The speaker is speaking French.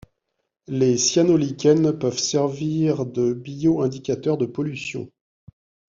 Les cyanolichens peuvent servir de bioindicateurs de pollution.